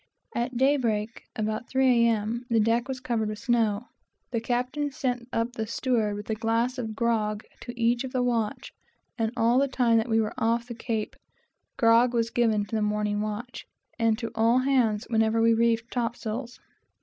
At daybreak (about three, A.M.) the deck was covered with snow. The captain sent up the steward with a glass of grog to each of the watch; and all the time that we were off the Cape, grog was given to the morning watch, and to all hands whenever we reefed topsails.